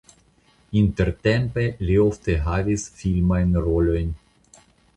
Intertempe li ofte havis filmajn rolojn.